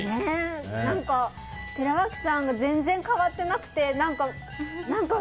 寺脇さんが全然変わってなくて。